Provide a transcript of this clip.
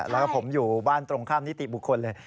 แล้วก็ผมอยู่บ้านตรงข้ามนิติบุคคลเลย